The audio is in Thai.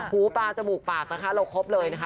หูปลาจมูกปากนะคะเราครบเลยนะคะ